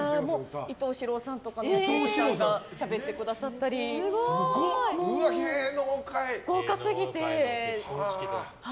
伊東四朗さんとかがしゃべってくださったり豪華すぎて。